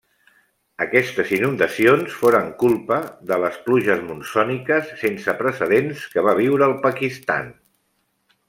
Aquestes inundacions foren culpa de les pluges monsòniques sense precedents que va viure el Pakistan.